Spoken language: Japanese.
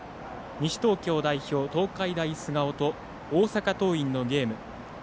西東京代表、東海大菅生と大阪桐蔭のゲーム。